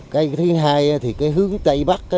cái thứ hai thì cái hướng tây bắc